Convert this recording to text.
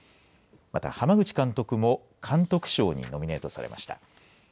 また濱口監督も監督賞にノミネートされました。